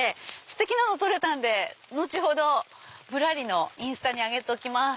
ステキなの撮れたんで後ほど『ぶらり』のインスタに上げておきます。